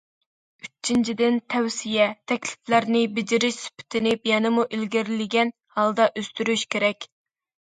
ئۈچىنچىدىن، تەۋسىيە، تەكلىپلەرنى بېجىرىش سۈپىتىنى يەنىمۇ ئىلگىرىلىگەن ھالدا ئۆستۈرۈش كېرەك.